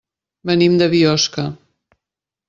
Venim de Biosca.